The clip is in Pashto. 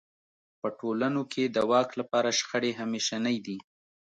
په ټولنو کې د واک لپاره شخړې همېشنۍ دي.